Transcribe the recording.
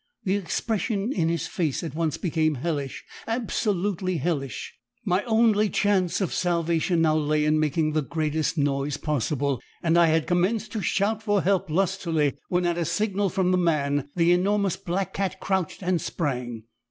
The expression in his face at once became hellish, absolutely hellish. My only chance of salvation now lay in making the greatest noise possible, and I had commenced to shout for help lustily, when at a signal from the man, the enormous black cat crouched and sprang.